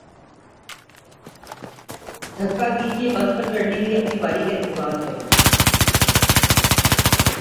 دھکا م دیجئے، بس پر چڑھنے کے لئے اپنی باری کا انتظار کریں